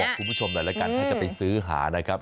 บอกคุณผู้ชมด้วยละกันถ้าจะไปซื้อหานะครับ